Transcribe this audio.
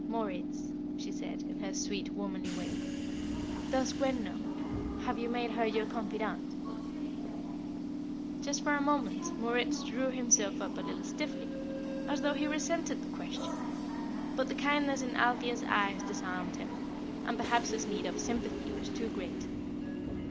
"Moritz," she said, in her sweet, womanly way, "does Gwen know. Have you made her your confidante?" Just for a moment Moritz drew himself up a little stiffly as though he resented the question; but the kindness in Althea's eyes disarmed him, and perhaps his need of sympathy was too great.